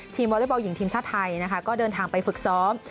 ทีมวอร์เตอร์บอลหญิงทีมชาติไทยก็เดินทางไปฝึกซ้อม